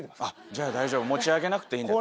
じゃあ大丈夫持ち上げなくていいんだったら。